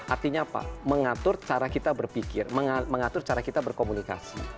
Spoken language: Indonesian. artinya apa mengatur cara kita berpikir mengatur cara kita berkomunikasi